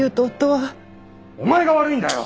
お前が悪いんだよ！